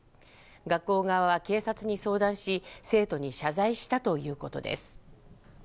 学校側は警察に相談し、生徒に謝罪したということです。